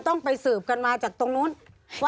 มีความรู้สึกว่ามีความรู้สึกว่า